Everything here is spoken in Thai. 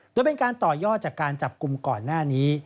โดยเป็นการต่อยอดจากการจับกลุ่มก่อนหน้านี้